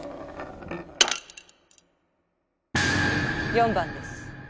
４番です。